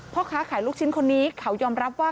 พ่อค้าขายลูกชิ้นคนนี้เขายอมรับว่า